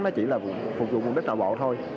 nó chỉ là phục vụ mục đích nội bộ thôi